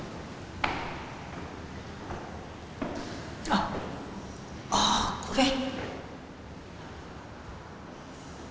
あっああこれ。